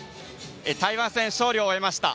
台湾戦、勝利を終えました。